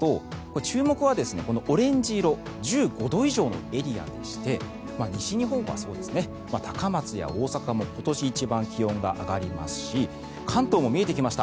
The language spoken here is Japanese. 注目はオレンジ色１５度以上のエリアでして西日本はそうですね高松や大阪も今年一番気温が上がりますし関東も見えてきました